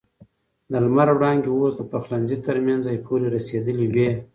د لمر وړانګې اوس د پخلنځي تر منځه پورې رسېدلې وې.